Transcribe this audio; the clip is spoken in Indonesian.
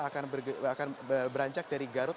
akan beranjak dari garut